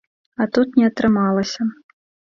А тут не атрымалася.